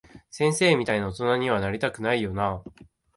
先生みたいな大人には、なりたくないよなぁ。